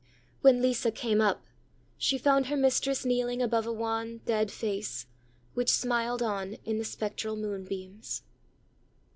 When Lisa came up, she found her mistress kneeling above a wan dead face, which smiled on in the spectral moonbeams.